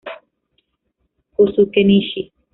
Kosuke Nishi